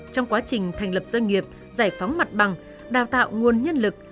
trong quá trình thành lập doanh nghiệp giải phóng mặt bằng đào tạo nguồn nhân lực